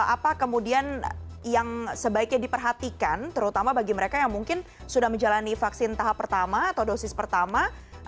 apa kemudian yang sebaiknya diperhatikan terutama bagi mereka yang mungkin sudah menjalani vaksin tahap pertama atau dosis pertama